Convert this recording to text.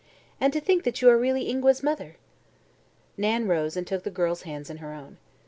And to think that you are really Ingua's mother!" Nan rose and took the girl's hands in her own.